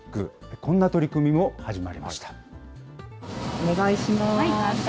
こんな取り組みも始まりました。